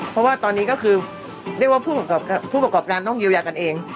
เพราะว่าตอนนี้ก็คือเรียกว่าผู้ประกอบการต้องเยียวยากันเอง